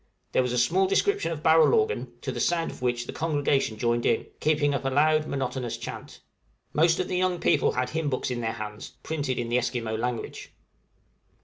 There was a small description of barrel organ, to the sound of which the congregation joined in, keeping up a loud monotonous chant. Most of the young people had hymn books in their hands, printed in the Esquimaux language.